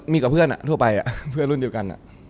มีกับเพื่อนทั่วไปเพื่อนรุ่นเดียวกัน